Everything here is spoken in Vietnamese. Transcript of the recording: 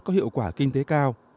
có hiệu quả kinh tế cao